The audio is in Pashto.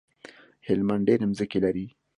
هلمند ډيری مځکی لری